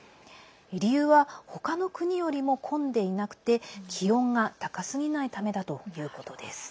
理由は他の国よりも混んでいなくて気温が高すぎないためだということです。